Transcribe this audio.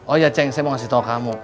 oh iya ceng saya mau kasih tau kamu